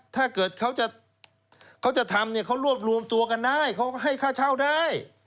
ถ้าเกิดเขาจะทำเนี่ยเขารวบรวมตัวกันได้เขาก็ให้ค่าเช่าได้